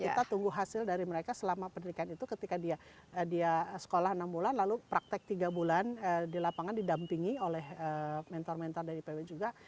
kita tunggu hasil dari mereka selama pendidikan itu ketika dia sekolah enam bulan lalu praktek tiga bulan di lapangan didampingi oleh mentor mentor dari ipw juga